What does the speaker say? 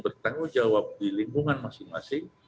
bertanggung jawab di lingkungan masing masing